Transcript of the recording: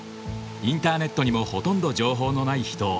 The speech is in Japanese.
インターネットにもほとんど情報のない秘湯。